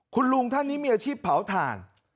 คุณลุงท่านนี้มีอาชีพเผาถ่าน